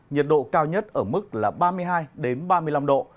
nhiệt độ cao nhất ở mức là ba mươi hai ba mươi năm độ